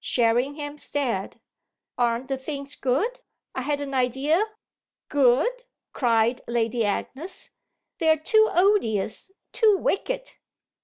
Sherringham stared. "Aren't the things good? I had an idea !" "Good?" cried Lady Agnes. "They're too odious, too wicked."